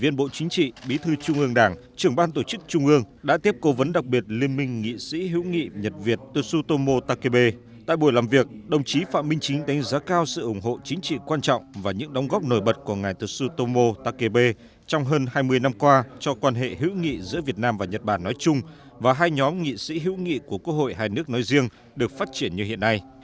nói chung và hai nhóm nghị sĩ hữu nghị của quốc hội hai nước nói riêng được phát triển như hiện nay